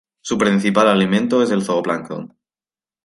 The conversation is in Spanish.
Su principal alimento es zooplancton.